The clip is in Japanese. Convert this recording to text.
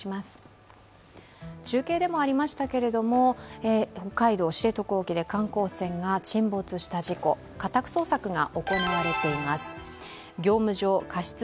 中継でもありましたけれども、北海道・知床沖で観光船が沈没した事故、家宅捜索が行われています。